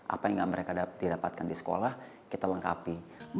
apa yang gak mereka didapatkan di sekolah kita lengkapi